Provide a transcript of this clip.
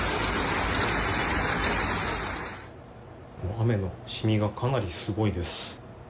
雨のしみがかなりすごいです。